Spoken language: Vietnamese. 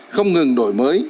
không ngừng đổi mới